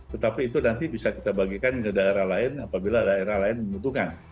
tetapi itu nanti bisa kita bagikan ke daerah lain apabila daerah lain membutuhkan